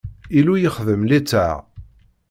Illu yexdem litteɛ.